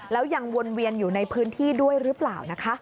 แล้วยังวนเวียนอยู่ในพื้นที่ด้วยหรือเปล่านะคะ